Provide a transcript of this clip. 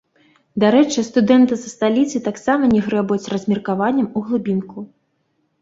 Дарэчы, студэнты са сталіцы таксама не грэбуюць размеркаваннем у глыбінку.